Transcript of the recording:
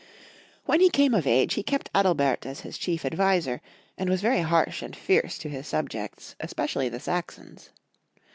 When he came of age he kept Adalbert as his chief adviser, and was very harsh and fierce to his subjects, especially the Saxons.